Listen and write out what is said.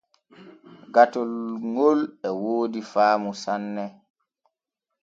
Gatol ŋol e woodi faamu sanne.